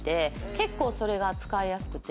結構それが使いやすくて。